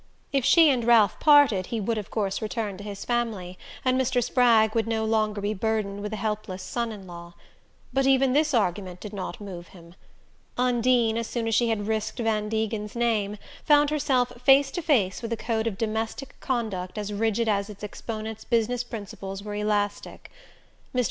If she and Ralph parted he would of course return to his family, and Mr. Spragg would no longer be burdened with a helpless son in law. But even this argument did not move him. Undine, as soon as she had risked Van Degen's name, found herself face to face with a code of domestic conduct as rigid as its exponent's business principles were elastic. Mr.